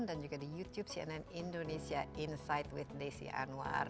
dan juga di youtube cnn indonesia insight with desi anwar